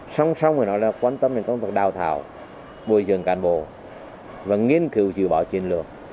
song song quan tâm đến công tác đào thảo bồi dường cản bộ và nghiên cứu dự bỏ chiến lược